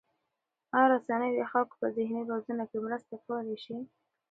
آیا رسنۍ د خلکو په ذهني روزنه کې مرسته کولای شي؟